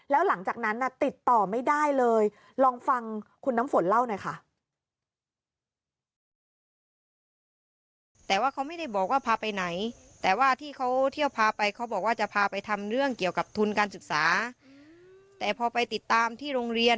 แล้วหลังจากนั้นน่ะติดต่อไม่ได้เลย